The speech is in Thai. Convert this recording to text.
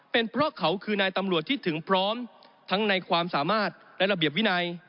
เป็นเพราะเขาคือนายตำรวจที่ถึงพร้อมทั้งในความสามารถและระเบียบวินัย